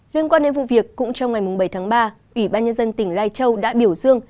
liên quan đến vụ việc cũng trong ngày bảy tháng ba ủy ban nhân dân tỉnh lai châu đã biểu dương